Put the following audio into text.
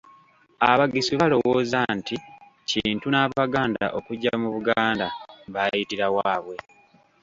Abagisu balowooza nti Kintu n'Abaganda okujja mu Buganda baayitira waabwe.